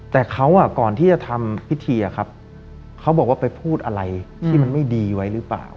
แต่เขาก่อนที่จะทำพิธีเขาบอกว่าไปพูดอะไรที่มันไม่ดีไว้หรือเปล่า